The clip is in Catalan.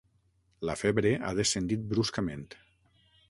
La febre ha descendit bruscament.